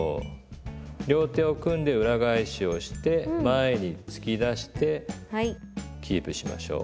両手を組んで裏返しをして前に突き出してキープしましょう。